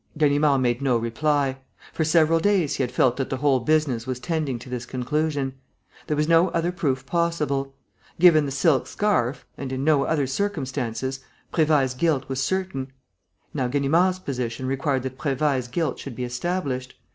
Ganimard made no reply. For several days he had felt that the whole business was tending to this conclusion. There was no other proof possible. Given the silk scarf and in no other circumstances Prévailles' guilt was certain. Now Ganimard's position required that Prévailles' guilt should be established.